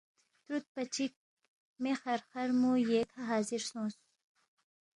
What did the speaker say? ترُودپا چِک مے خرخرمو ییکھہ حاضر سونگس